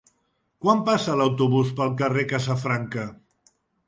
Quan passa l'autobús pel carrer Casafranca?